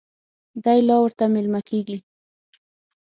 دی لا ورته مېلمه کېږي.